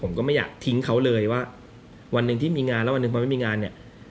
ผมก็ไม่อยากทิ้งเขาเลยว่าวันหนึ่งที่มีงานแล้ววันหนึ่งพอไม่มีงานเนี่ย